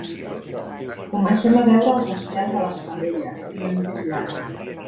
Comencem a veure els estels de les Cabrelles i la nit és llarga.